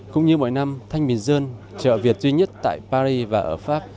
cũng như mỗi năm thanh bình dương chợ việt duy nhất tại paris và ở pháp